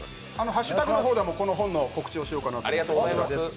ハッシュタグの方でもこの本の告知をしようかなと。